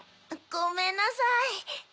ごめんなさい。